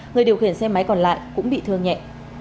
người điều khiển xe máy còn lại cũng bị thương nhẹ